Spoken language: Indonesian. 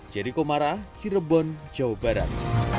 jericho marah cirebon jawa barat